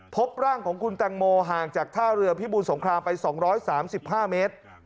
พบร่างของคุณแตงโมห่างจากท่าเรือพิบูรสงครามไป๒๓๕เมตร